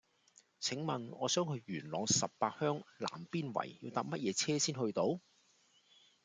請問我想去元朗十八鄉南邊圍要搭乜嘢車先去到